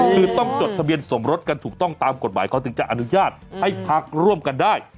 คือต้องจดทะเบียนสมรสกันถูกต้องตามกฎหมายเขาถึงจะอนุญาตให้พักร่วมกันได้